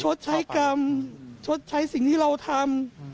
ชดใช้กรรมชดใช้สิ่งที่เราทำ